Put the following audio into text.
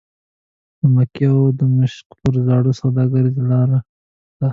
د مکې او دمشق پر زاړه سوداګریزه لاره ده.